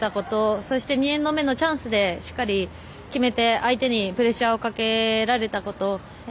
そして、２エンド目のチャンスでしっかりと決めて相手にプレッシャーをかけられたこと。